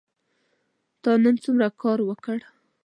تا نن څومره کار وکړ ؟